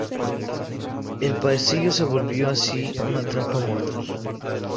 El pasillo se volvió así una trampa mortal.